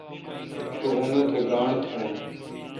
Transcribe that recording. تو اونتھ گاݨڈ تھون۔